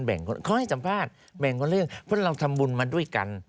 เขาให้สัมภาษณ์แบ่งกว่าเรื่องเพราะเราทำบุญมาด้วยกัน